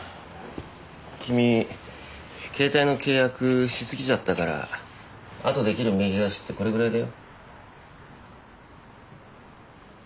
君携帯の契約しすぎちゃったからあとできる名義貸しってこれくらいだよ。